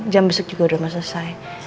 jam besok juga udah mau selesai